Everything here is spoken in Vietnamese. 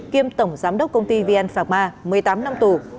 kiêm tổng giám đốc công ty vn phạc ma một mươi tám năm tù